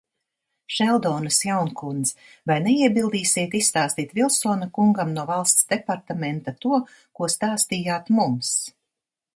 Šeldonas jaunkundz, vai neiebildīsiet izstāstīt Vilsona kungam no Valsts departamenta to, ko stāstījāt mums?